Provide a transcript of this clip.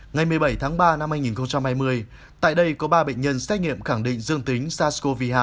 ngày một mươi bảy tháng ba năm hai nghìn hai mươi tại đây có ba bệnh nhân xét nghiệm khẳng định dương tính sars cov hai